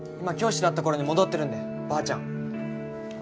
今教師だった頃に戻ってるんでばあちゃん。